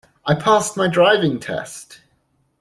I passed my driving test!.